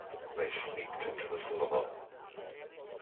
They sneaked into the cinema.